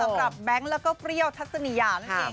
สำหรับแบงค์แล้วก็เปรี้ยวทัศนียา